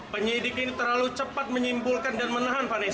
penyidik ini terlalu cepat menyimpulkan dan menahan vanessa